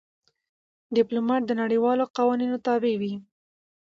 ډيپلومات د نړیوالو قوانینو تابع وي.